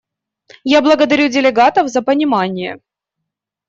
Я благодарю делегатов за понимание.